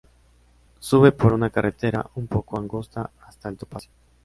Sube por una carretera un poco angosta hasta el topacio.